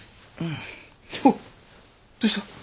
あっどうした？